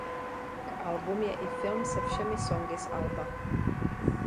K album je i film se všemi songy z alba.